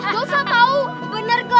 gak usah tahu bener kok